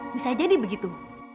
bisa jadi begitu